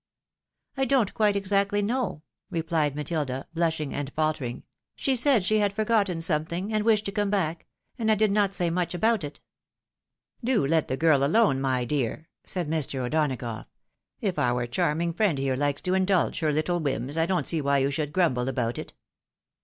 "" I don't quite exactly know," repUed Matilda, blushing and faltering. " She said she had forgotten something, and wished to come back, and I did not say much about it." " Do let the girl alone, my dear," said Mr. O'Donagough. " If our charming friend here likes to indulge her httle whims, I don't see why you should grumble about it."